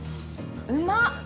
うまっ。